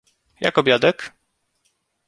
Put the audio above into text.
Jak obiadek?